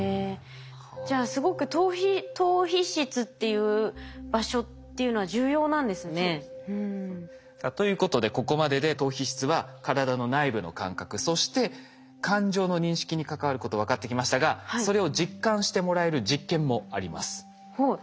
じゃあそうですね。ということでここまでで島皮質は体の内部の感覚そして感情の認識に関わること分かってきましたがそれを実感してもらえる実験もあります。